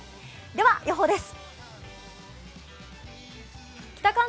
では予報です。